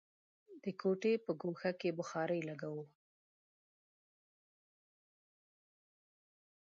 د کوټې په ګوښه کې بخارۍ لګوو.